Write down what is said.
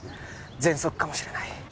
ぜんそくかもしれない